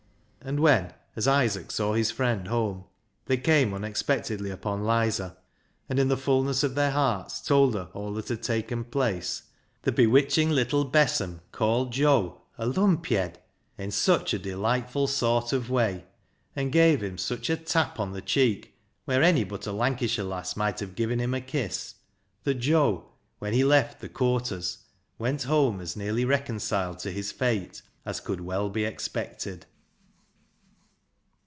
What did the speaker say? And when, as Isaac saw his friend home, they came unexpectedly upon Lizer, and in the fulness of their hearts told her all that had taken place, the bewitching little besom called Joe a " lumpyed " in such a delightful sort of way, and gave him such a tap 320 BECKSIDE LIGHTS on the cheek where any but a Lancashire lass might have given him a kiss, that Joe, when he left the courters, went home as nearly reconciled to his fate as could well be expected.